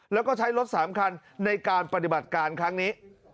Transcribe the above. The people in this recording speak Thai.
แล้วก็ใช้รถ๓คันในการปฏิบัติการครั้งนี้